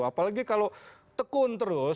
apalagi kalau tekun terus